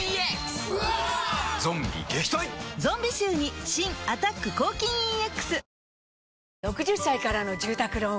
ゾンビ臭に新「アタック抗菌ＥＸ」